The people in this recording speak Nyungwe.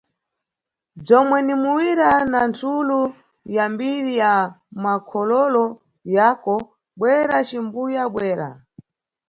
Bzomwe ni muwira na nthulu ya mbiri ya makhololo yako, bwera, cimbuya, bwera.